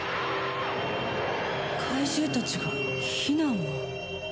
怪獣たちが避難を。